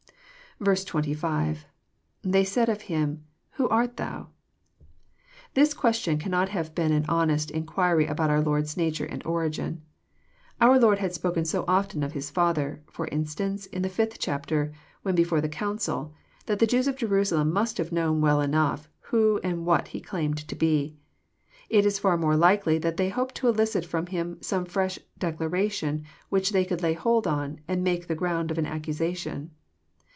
25. — [^Then said thet/j. .IVho art tkouf] This question cannot have been an honest inquiry about our Lord's nature and origin. Our Lord had spoken so often of His Father, — ft>r instance, in the fifth chapter, when before the council, — that the Jews of Jerusalem must have known well enough who and what He claimed to be. It is far more likely that they hoped to elicit from Him some fresh declaration which they could lay hold on, and make the ground of an accusation.